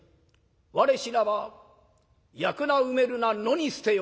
『我死なば焼くな埋めるな野に捨てよ。